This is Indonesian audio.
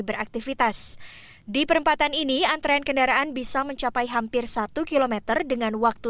beraktivitas di perempatan ini antrean kendaraan bisa mencapai hampir satu km dengan waktu